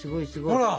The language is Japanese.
ほら！